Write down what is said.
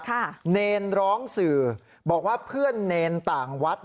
นีนร้องสือบอกว่าเพื่อนนีนต่างวัด